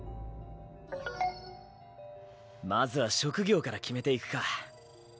まずは職業から決めていくか。